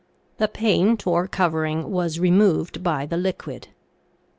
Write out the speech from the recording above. The paint or covering was removed by the liquid.